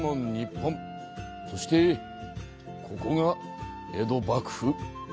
そしてここが江戸幕府。